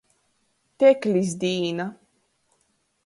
Teklis dīna.